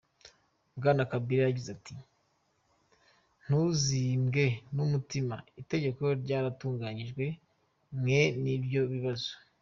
Bwana Kabila yagize ati: "Ntusimbwe n'umutima, itegeko ryaratunganirijwe mwen'ivyo bibazo.